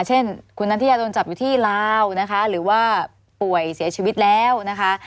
เช่นคุณนันทิยาโดนจับอยู่ที่ลาวนะคะหรือว่าป่วยเสียชีวิตแล้วนะคะ